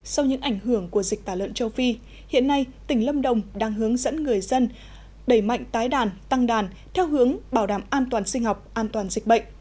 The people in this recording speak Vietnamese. sau những ảnh hưởng của dịch tả lợn châu phi hiện nay tỉnh lâm đồng đang hướng dẫn người dân đẩy mạnh tái đàn tăng đàn theo hướng bảo đảm an toàn sinh học an toàn dịch bệnh